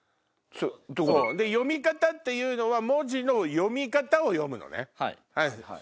で「読み方」っていうのは文字の読み方を読むのね。